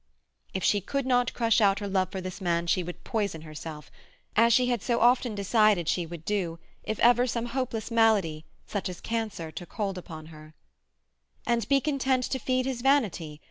If she could not crush out her love for this man she would poison herself—as she had so often decided she would do if ever some hopeless malady, such as cancer, took hold upon her— And be content to feed his vanity?